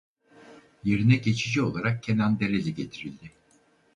Yerine geçici olarak Kenan Dereli getirildi.